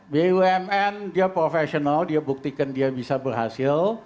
bumn dia profesional dia buktikan dia bisa berhasil